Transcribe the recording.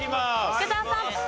福澤さん。